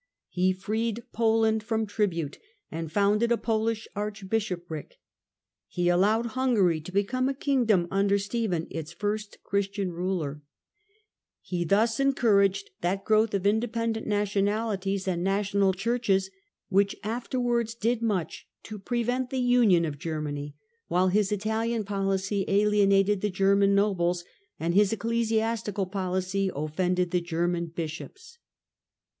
He freed Poland from tribute, and founded a Polish archbishopric. He allowed Hungary to become a kingdom under jphen, its first Christian ruler. He thus encouraged 22 THE CENTRAL PERIOD OF THE MIDDLE AGE that growth of independent nationalities and national churches which afterwards did much to prevent the union of Germany, while his Italian policy alienated the German nobles and his ecclesiastical policy offended the German bishops.